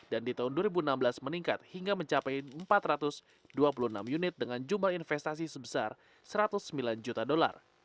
dan di tahun dua ribu enam belas meningkat hingga mencapai empat ratus dua puluh enam unit dengan jumlah investasi sebesar satu ratus sembilan juta dolar